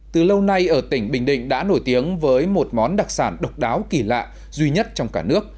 từ lâu nay ở tỉnh bình định đã nổi tiếng với một món đặc sản độc đáo kỳ lạ duy nhất trong cả nước